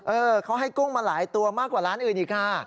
เออเขาให้กุ้งมาหลายตัวมากกว่าร้านอื่นอีกค่ะ